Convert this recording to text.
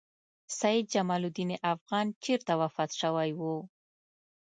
سیدجمال الدین افغان چېرته وفات شوی و؟